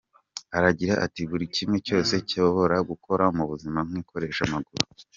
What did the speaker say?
Aragira ati “Buri kimwe cyose cyobora gukora mu buzima nkikoresha amaguru.